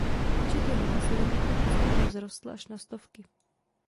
Počet jeho následovníků postupně vzrostl až na stovky.